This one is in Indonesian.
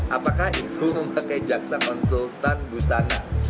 apakah itu memakai jaksa konsultan busana